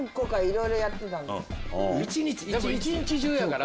でも一日中やから。